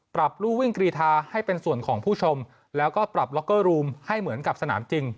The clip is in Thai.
รูวิ่งกรีทาให้เป็นส่วนของผู้ชมแล้วก็ปรับล็อกเกอร์รูมให้เหมือนกับสนามจริง